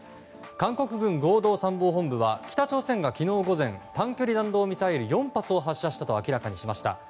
韓国軍合同参謀本部は北朝鮮が昨日午前、短距離弾道ミサイル４発を発射したと明らかにしました。